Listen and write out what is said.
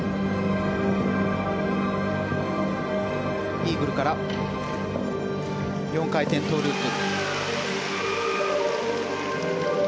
イーグルから４回転トウループ。